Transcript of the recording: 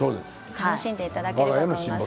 楽しんでいただければと思います